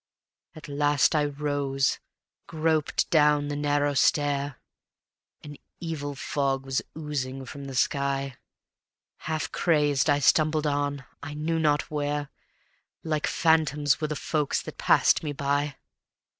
At last I rose, groped down the narrow stair; An evil fog was oozing from the sky; Half crazed I stumbled on, I knew not where, Like phantoms were the folks that passed me by.